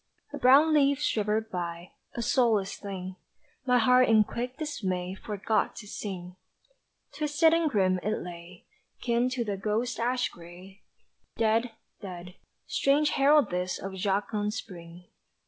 A brown leaf shivered by, A soulless thing My heart in quick dismay Forgot to sing Twisted and grim it lay, Kin to the ghost ash gray, Dead, dead strange herald this Of jocund Spring!